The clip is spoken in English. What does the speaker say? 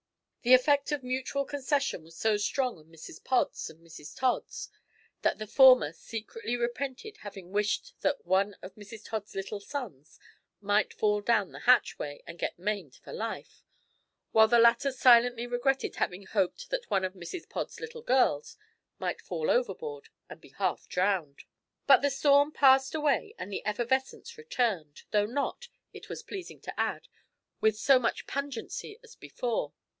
The effect of mutual concession was so strong on Mrs Pods and Mrs Tods, that the former secretly repented having wished that one of Mrs Tods' little sons might fall down the hatchway and get maimed for life, while the latter silently regretted having hoped that one of Mrs Pods' little girls might fall overboard and be half drowned. But the storm passed away and the effervescence returned though not, it is pleasing to add, with so much pungency as before.